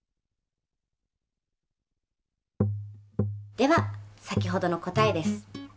では先ほどの答えです。